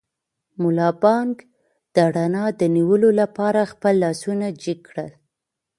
ملا بانګ د رڼا د نیولو لپاره خپل لاسونه جګ کړل.